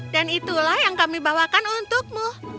dan itulah yang kami bawakan untukmu